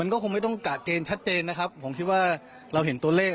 ก็คงไม่ต้องกะเกณฑ์ชัดเจนนะครับผมคิดว่าเราเห็นตัวเลข